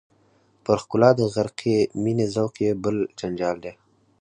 پر ښکلا د غرقې مینې ذوق یې بل جنجال دی.